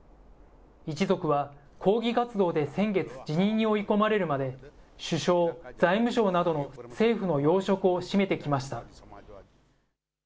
一族は抗議活動で先月辞任に追い込まれるまで、首相、財務相などの政府の要職を占めてきました。